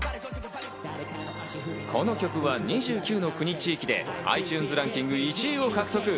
この曲は２９の国・地域でｉＴｕｎｅｓランキング１位を獲得。